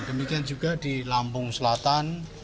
demikian juga di lampung selatan